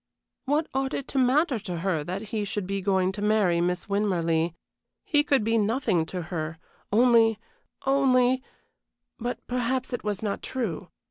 What ought it to matter to her that he should be going to marry Miss Winmarleigh? He could be nothing to her only only but perhaps it was not true.